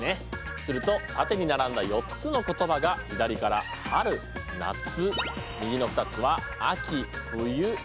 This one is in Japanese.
すると縦に並んだ４つの言葉が左から「はる」「なつ」右の２つは「あき」「ふゆ」。